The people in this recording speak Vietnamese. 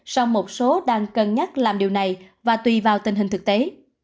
so với một số đang cân nhắc làm điều này và tùy vào tình hình thực tế